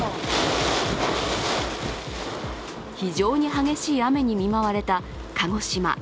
非常に激しい雨に見舞われた鹿児島。